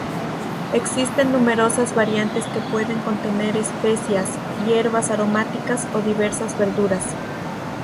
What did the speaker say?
Existen numerosas variantes que pueden contener especias, hierbas aromáticas o diversas verduras.